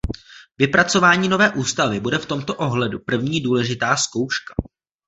Vypracování nové ústavy bude v tomto ohledu první důležitá zkouška.